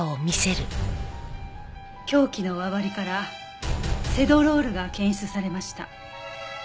凶器の輪針からセドロールが検出されました。